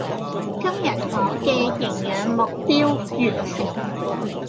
今日我嘅營餋目標完成